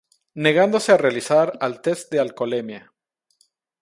Negándose a realizar al test de alcoholemia.